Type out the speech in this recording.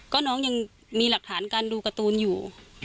ก็น้องยังมีหลักฐานการดูการ์ตูนอยู่